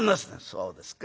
『そうですか。